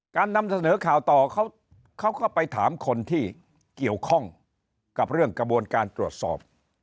การนำเสนอข่าวต่อเขาก็ไปถามคนที่เกี่ยวข้องกับเรื่องกระบวนการตรวจสอบ